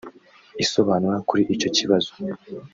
isobanura kuri icyo kibazo